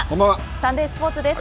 サンデースポーツです。